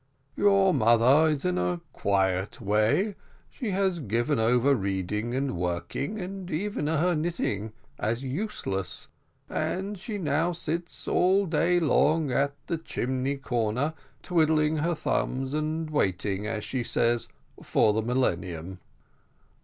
"Your mother is in a quiet way; she has given over reading and working, and even her knitting, as useless; and she now sits all day long at the chimney corner twiddling her thumbs, and waiting, as she says, for the millennium.